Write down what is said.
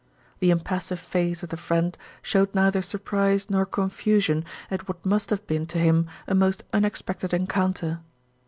The impassive face of the friend showed neither surprise nor confusion at what must have been to him a most unexpected encounter.